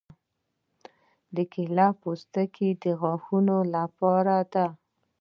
د کیلې پوستکي د غاښونو لپاره دي.